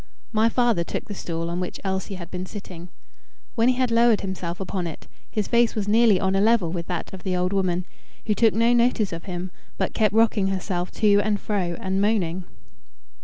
My father took the stool on which Elsie had been sitting. When he had lowered himself upon it, his face was nearly on a level with that of the old woman, who took no notice of him, but kept rocking herself to and fro and moaning.